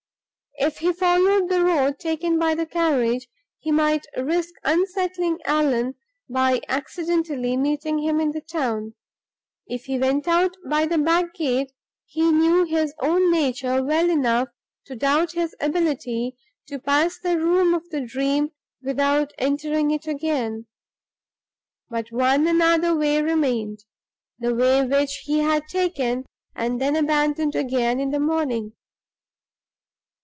If he followed the road taken by the carriage, he might risk unsettling Allan by accidentally meeting him in the town. If he went out by the back gate, he knew his own nature well enough to doubt his ability to pass the room of the dream without entering it again. But one other way remained: the way which he had taken, and then abandoned again, in the morning.